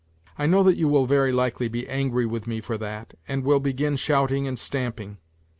I know that you will very likely be angry with me for that, and will begin shouting and stamping.